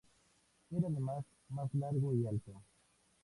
Era además más largo y alto.